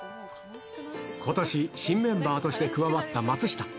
ことし新メンバーとして加わった松下。